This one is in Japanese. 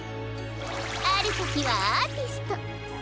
あるときはアーティスト。